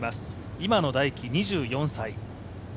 今野大喜２４歳。